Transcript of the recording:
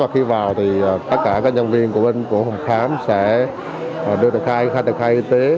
khi vào tất cả nhân viên của phòng khám sẽ đưa tờ khai khai tờ khai y tế